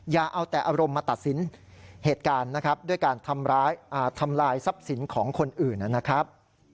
อย่าเอาแต่อารมณ์มาตัดสินเหตุการณ์นะครับด้วยการทำลายทรัพย์สินของคนอื่นนะครับ